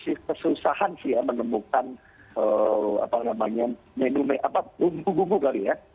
jadi kita gak kesusahan sih ya menemukan apa namanya menu apa bumbu bumbu kali ya